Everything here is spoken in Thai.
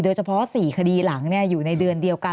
เฉพาะ๔คดีหลังอยู่ในเดือนเดียวกัน